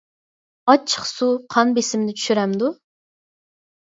ئاچچىق سۇ قان بېسىمنى چۈشۈرەمدۇ؟